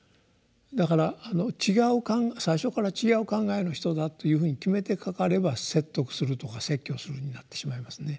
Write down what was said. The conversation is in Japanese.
だから最初から違う考えの人だというふうに決めてかかれば説得するとか説教するになってしまいますね。